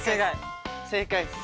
正解です！